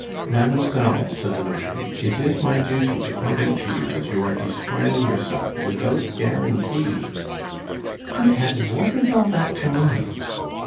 "Mademoiselle," said the notary, "it is my duty to point out to you that you are despoiling yourself without guarantee " "Good heavens! what is all that to me?"